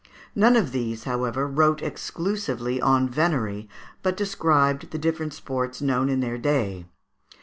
None of these, however, wrote exclusively on venery, but described the different sports known in their day.